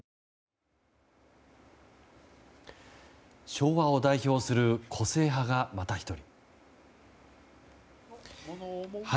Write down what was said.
昭和を代表する個性派がまた１人。